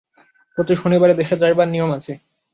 প্রতি শনিবারে দেশে যাইবার নিয়ম আছে।